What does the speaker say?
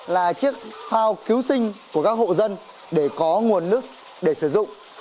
là chiếc phao cứu sinh của các hộ dân để có nguồn nước để sử dụng